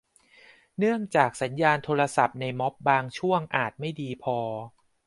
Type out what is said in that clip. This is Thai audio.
เนื่องจากสัญญาณโทรศัพท์ในม็อบบางช่วงอาจไม่เพียงพอ